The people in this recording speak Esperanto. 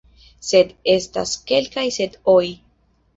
Sed – estas kelkaj sed-oj.